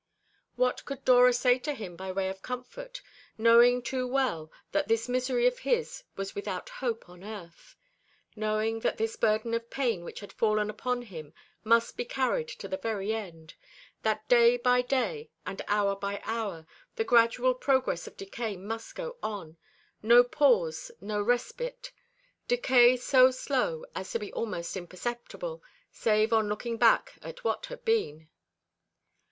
What could Dora say to him by way of comfort, knowing too well that this misery of his was without hope on earth; knowing that this burden of pain which had fallen upon him must be carried to the very end; that day by day and hour by hour the gradual progress of decay must go on; no pause, no respite; decay so slow as to be almost imperceptible, save on looking back at what had been?